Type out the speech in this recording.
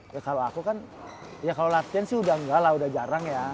ya kalo aku kan ya kalo latihan sih udah enggak lah udah jarang ya